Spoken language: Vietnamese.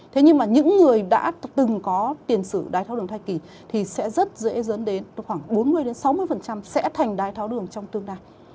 thế nhưng mà những người đã từng có tiền sử đái tháo đường thai kỳ thì sẽ rất dễ dẫn đến khoảng bốn mươi sáu mươi sẽ thành đái tháo đường trong tương lai